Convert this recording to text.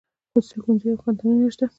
خصوصي ښوونځي او پوهنتونونه شته